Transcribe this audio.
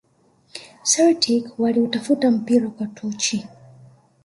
celtic waliutafuta mpira kwa tochi